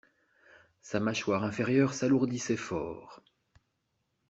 Sa mâchoire inférieure s'alourdissait fort.